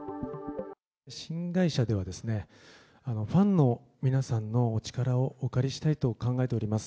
新会社では、ファンの皆さんのお力をお借りしたいと考えております。